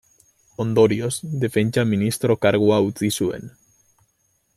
Ondorioz, Defentsa ministro kargua utzi zuen.